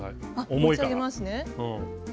持ち上げますね。